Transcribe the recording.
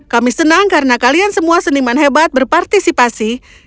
kami senang karena kalian semua seniman hebat berpartisipasi